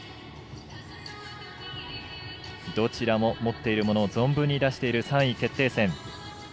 どちらも持っているものを存分に出している３位決定戦。